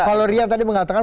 kalau rian tadi mengatakan